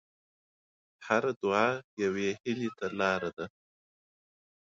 هره دعا یوه هیلې ته لاره ده.